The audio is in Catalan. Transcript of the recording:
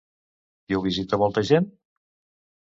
I ho visita molta gent?